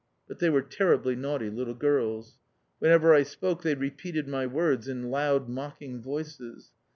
But they were terribly naughty little girls. Whenever I spoke they repeated my words in loud, mocking voices.